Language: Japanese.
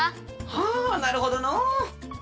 はあなるほどのう。